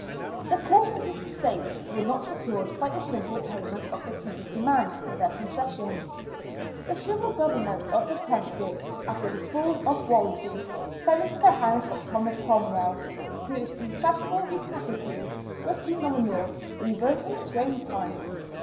The corporate estates were not secured by a simple payment of the King's demands for their concession. The civil government of the country, after the fall of Wolsey, fell into the hands of Thomas Cromwell, whose insatiable rapacity was phenomenal even in his own time.